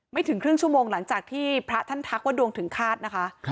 ถึงครึ่งชั่วโมงหลังจากที่พระท่านทักว่าดวงถึงฆาตนะคะ